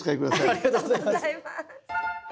ありがとうございます。